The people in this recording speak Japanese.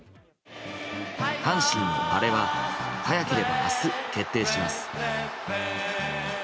阪神のアレは早ければ明日決定します。